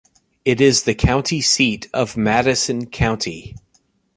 It is the county seat of Madison County.